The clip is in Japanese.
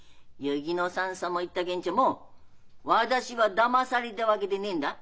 薫乃さんさも言ったげんちょも私はだまされだわけでねえんだ。